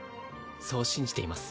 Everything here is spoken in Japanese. そう信じています